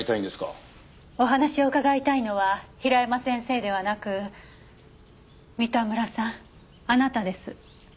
お話を伺いたいのは平山先生ではなく三田村さんあなたです。